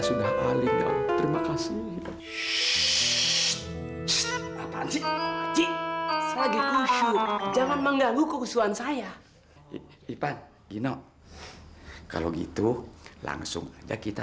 sampai jumpa di video selanjutnya